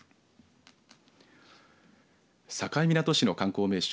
境港市の観光名所